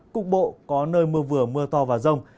cục bộ có nơi mưa vừa mưa to và rông